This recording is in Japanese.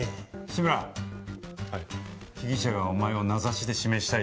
志村はい被疑者がお前を名指しで指名した